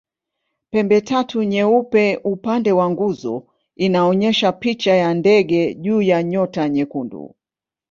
Pembetatu nyeupe upande wa nguzo unaonyesha picha ya ndege juu ya nyota nyekundu.